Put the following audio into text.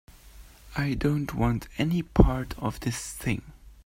I don't want any part of this thing.